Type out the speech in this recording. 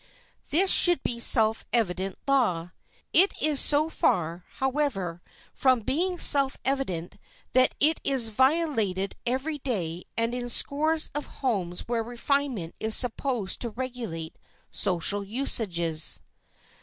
This should be a self evident law. It is so far, however, from being self evident that it is violated every day and in scores of homes where refinement is supposed to regulate social usages.